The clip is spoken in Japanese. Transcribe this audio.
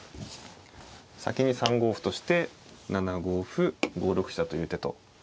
先に３五歩として７五歩５六飛車という手と。